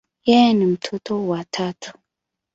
Yeye ni mtoto wa tatu.